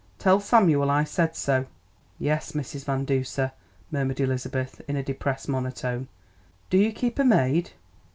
Tell Samuel I said so." "Yes, Mrs. Van Duser," murmured Elizabeth in a depressed monotone. "Do you keep a maid?"